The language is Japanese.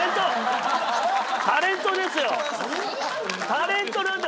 タレントなんだ。